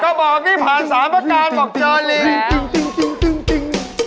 ก็บอกนี่ผ่านสาปการณ์บอกเจอลี